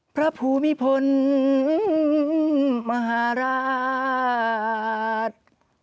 ภูมิพลมหาราช